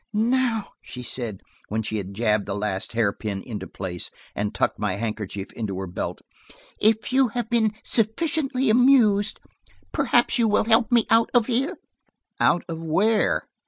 "Now," she said, when she had jabbed the last hair pin into place and tucked my handkerchief into her belt, "if you have been sufficiently amused, perhaps you will help me out of here." "Out of where?"